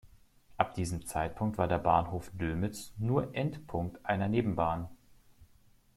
Ab diesem Zeitpunkt war der Bahnhof Dömitz nur Endpunkt einer Nebenbahn.